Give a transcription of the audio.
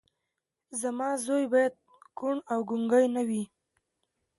زما زوی بايد کوڼ او ګونګی نه وي.